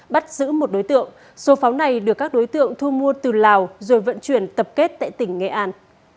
bắt giữ một đối tượng số pháo này được các đối tượng thu mua từ lào rồi vận chuyển tập kết tại tỉnh nghệ an